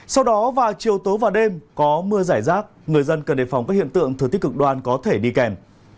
sau đó vào chiều tối và đêm có mưa giải rác người dân cần đề phòng các hiện tượng thừa tích cực đoan có thể đi kèm